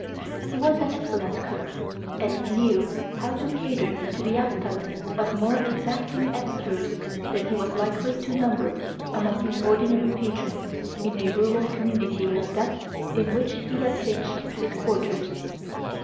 He was an excellent cook, and knew how to cater to the appetites of more exacting epicures than he was likely to number among his ordinary patrons in a rural community like that in which he had piched his quarters.